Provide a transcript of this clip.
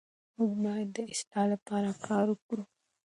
موږ باید د اصلاح لپاره کار وکړو.